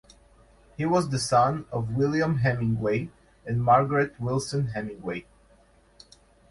He was the son of William Hemingway and Margaret (Wilson) Hemingway.